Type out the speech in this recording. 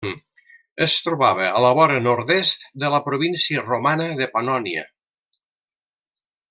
Es trobava a la vora nord-est de la província romana de Pannònia.